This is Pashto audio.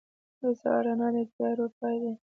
• د سهار رڼا د تیارو پای دی.